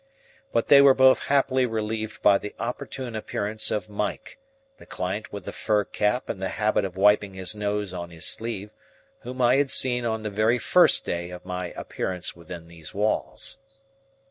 But they were both happily relieved by the opportune appearance of Mike, the client with the fur cap and the habit of wiping his nose on his sleeve, whom I had seen on the very first day of my appearance within those walls.